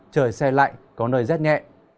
trời xe lạnh có nơi rất nhẹ